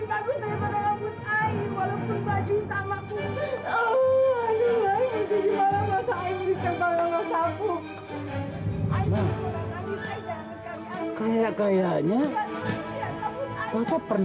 aduh ini gue bener bener apaan aduh ini jelek banget